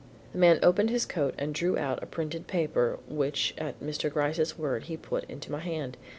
The man opened his coat and drew out a printed paper which at Mr. Gryce's word he put into my hand.